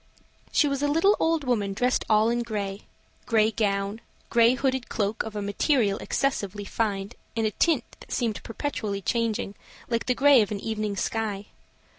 She was a little old woman dressed all in gray: gray gown; gray hooded cloak, of a material excessively fine, and a tint that seemed perpetually changing, like the gray of an evening sky.